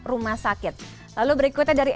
rumah sakit lalu berikutnya dari